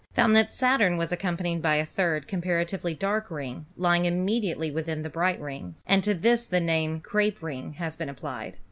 found that Saturn was accompanied by a third comparatively dark ring, lying immediately within the bright rings, and to this the name "Crape Ring" has been applied.